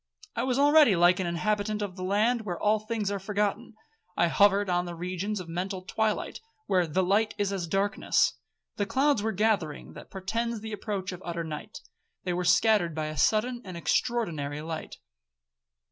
I was already like an inhabitant of the land where 'all things are forgotten.' I hovered on the regions of mental twilight, where the 'light is as darkness.' The clouds were gathering that portended the approach of utter night,—they were scattered by a sudden and extraordinary light.